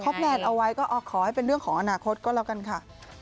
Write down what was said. แพลนเอาไว้ก็ขอให้เป็นเรื่องของอนาคตก็แล้วกันค่ะ